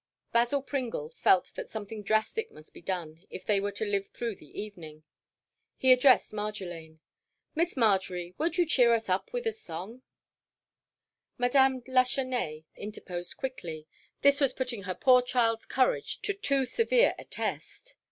Basil Pringle felt that something drastic must be done if they were to live through the evening. He addressed Marjolaine. "Miss Marjory, won't you cheer us with a song?" Madame Lachesnais interposed quickly: this was putting her poor child's courage to too severe a test.